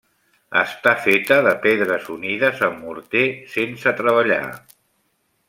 Està feta de pedres unides amb morter sense treballar.